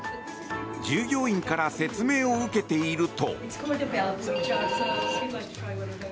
従業員から説明を受けていると。